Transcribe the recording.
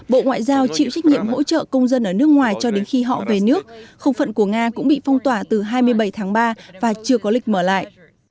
bộ ngoại giao chịu trách nhiệm hỗ trợ công dân ở nước ngoài cho đến khi họ về nước khủng phận của nga cũng bị phong tỏa từ hai mươi bảy tháng ba và chưa có lịch mở lại